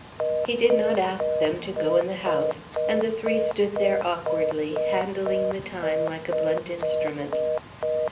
He did not ask them to go in the house, and the three stood there awkwardly, handling the time like a blunt instrument.